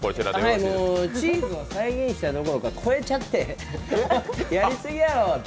チーズを再現したどころか超えちゃってやりすぎやろって。